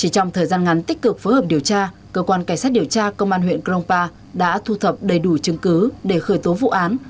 trong thời gian ngắn tích cực phối hợp điều tra cơ quan cảnh sát điều tra công an huyện krongpa đã thu thập đầy đủ chứng cứ để khởi tố vụ án